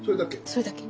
それだけ。